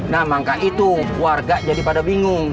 nah maka itu warga jadi pada bingung